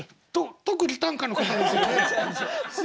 特技短歌の方ですよね？